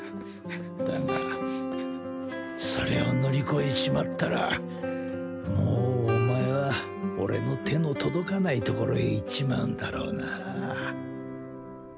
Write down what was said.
だがそれを乗り越えちまったらもうお前は俺の手の届かないところへ行っちまうんだろうなぁ